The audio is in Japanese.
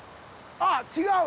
あっ違う。